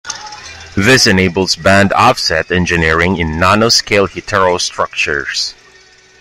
This enables band offset engineering in nanoscale heterostructures.